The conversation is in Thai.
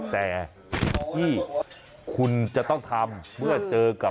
แต่ที่คุณจะต้องทำเมื่อเจอกับ